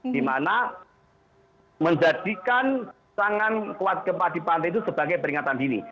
dimana menjadikan tangan kuat gempa di pantai itu sebagai peringatan dini